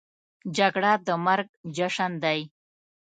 جګړه د مرګ جشن دی